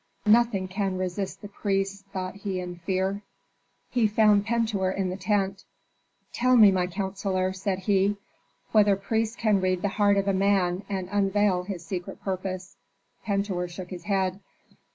"Nothing can resist the priests," thought he in fear. He found Pentuer in the tent. "Tell me, my counsellor," said he, "whether priests can read the heart of a man and unveil his secret purpose." Pentuer shook his head.